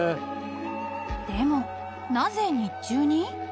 ［でもなぜ日中に？］